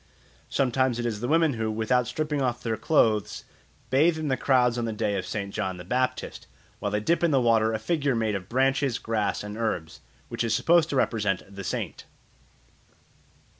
Sometimes it is the women who, without stripping off their clothes, bathe in crowds on the day of St. John the Baptist, while they dip in the water a figure made of branches, grass, and herbs, which is supposed to represent the saint.